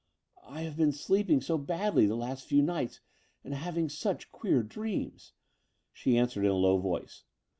''I have been sleeping so badly the last few nights and having such queer dreams," she answered in a low voice.